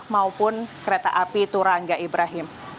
maupun kereta api turangga ibrahim